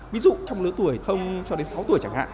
ví dụ trong lứa tuổi không cho đến sáu tuổi chẳng hạn